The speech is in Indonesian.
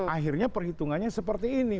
akhirnya perhitungannya seperti ini